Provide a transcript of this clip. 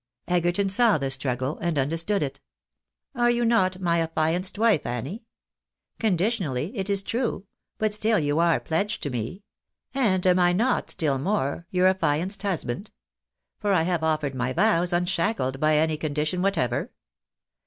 Egerton saw the struggle, and understood it. " Are you not my afltianced wife, Annie ? Conditionally, it is true ; but still you are pledged to me. And am I not, still more, your affianced husband ? For I have offered my vows unshackled by any condition whatever.